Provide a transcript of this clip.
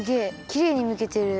きれいにむけてる。